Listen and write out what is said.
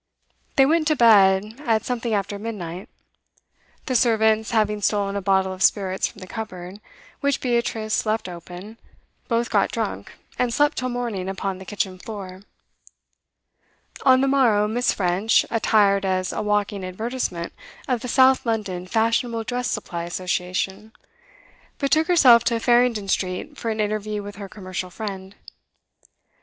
They went to bed at something after midnight. The servants, having stolen a bottle of spirits from the cupboard, which Beatrice left open, both got drunk, and slept till morning upon the kitchen floor. On the morrow, Miss. French, attired as a walking advertisement of the South London Fashionable Dress Supply Association, betook herself to Farringdon Street for an interview with her commercial friend.